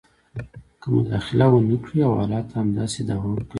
که مداخله ونه کړي او حالات همداسې دوام کوي